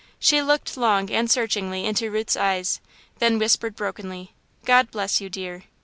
She looked long and searchingly into Ruth's eyes, then whispered brokenly, "God bless you, dear.